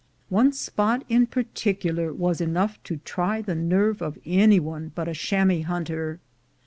One spot in particular was enough to try the nerve of any one but a chamois hunter.